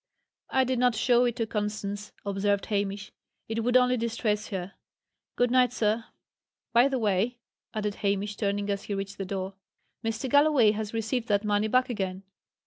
"I did not show it to Constance," observed Hamish. "It would only distress her. Good night, sir. By the way," added Hamish, turning as he reached the door: "Mr. Galloway has received that money back again."